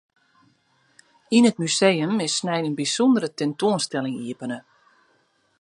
Yn it museum is snein in bysûndere tentoanstelling iepene.